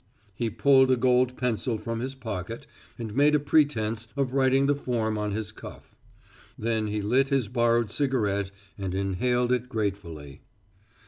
He pulled a gold pencil from his pocket and made a pretense of writing the form on his cuff. Then he lit his borrowed cigarette and inhaled it gratefully.